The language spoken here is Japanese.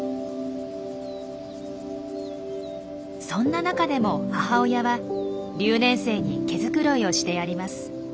そんな中でも母親は留年生に毛繕いをしてやります。